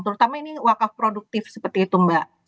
terutama ini wakaf produktif seperti itu mbak